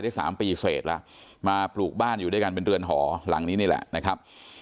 สามปีเสร็จแล้วมาปลูกบ้านอยู่ด้วยกันเป็นเรือนหอหลังนี้นี่แหละนะครับ